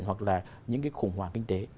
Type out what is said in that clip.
hoặc là những cái khủng hoảng kinh tế